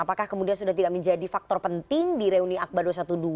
apakah kemudian sudah tidak menjadi faktor penting di reuni akbar dua ratus dua belas